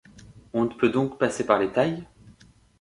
On ne peut donc passer par les tailles ?